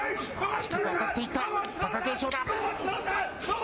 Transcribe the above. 低く当たっていった、貴景勝だ。